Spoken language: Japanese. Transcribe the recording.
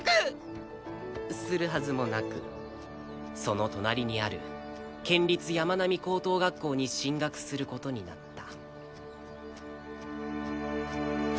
するはずもなくその隣にある県立山南高等学校に進学する事になった